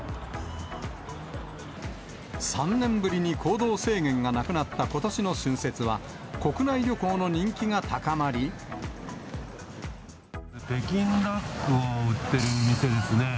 ３年ぶりに行動制限がなくなったことしの春節は、北京ダックを売っている店ですね。